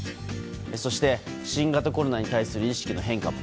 そして、新型コロナに対する意識の変化も。